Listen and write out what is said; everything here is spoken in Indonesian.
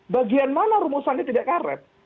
bagian mana rumusan dia tidak karet